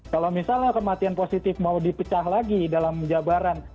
kalau misalnya kematian positif mau dipecah lagi dalam jabaran